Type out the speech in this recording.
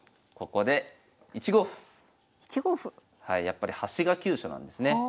やっぱり端が急所なんですね。